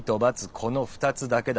この２つだけだ。